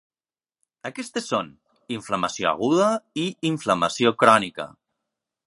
Aquestes són: inflamació aguda i inflamació crònica.